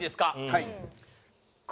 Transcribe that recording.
はい。